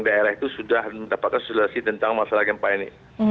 daerah itu sudah mendapatkan solusi tentang masalah gempa ini